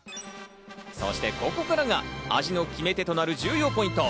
そしてここからが味の決め手となる重要ポイント。